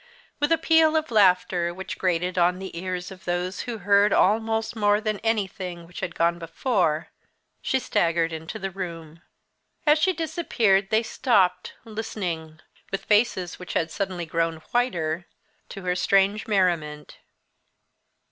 With a peal of laughter, which grated on the ears of those who heard almost more than anything which had gone before, she staggered into the room. As she disappeared they stopped, listening, with faces which had suddenly grown whiter, to her strange merriment.